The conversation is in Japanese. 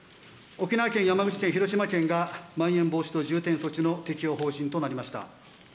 沖縄県、山口県、広島県がまん延防止等重点措置の適用方針となりました。